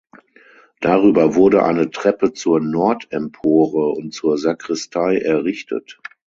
Darüber wurde eine Treppe zur Nordempore und zur Sakristei errichtet.